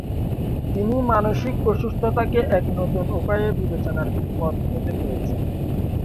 তিনি মানুসিক অসুস্থতাকে এক নতুন উপায়ে বিবেচনার পথ খুঁজে পেয়েছেন।